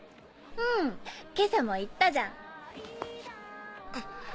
うん今朝も言ったじゃん。